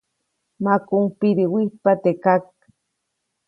Makuʼuŋ pidiwijtpa teʼ kak.